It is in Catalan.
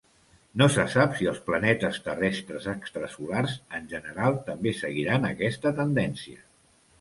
No se sap si els planetes terrestres extrasolars en general també seguiran aquesta tendència.